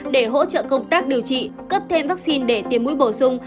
để hỗ trợ công tác điều trị cấp thêm vaccine để tiêm mũi bổ sung